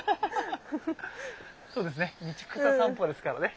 そうですね道草さんぽですからね。